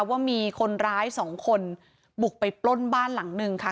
ว่ามีคนร้ายสองคนบุกไปปล้นบ้านหลังนึงค่ะ